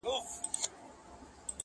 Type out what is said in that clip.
اوس هغه ښکلی کابل!